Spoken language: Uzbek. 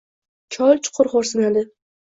Chol chuqur xo’rsinadi